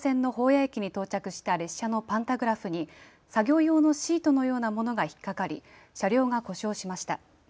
谷駅に到着した列車のパンタグラフに作業用のシートのようなものが引っ掛かり車両が故障しました。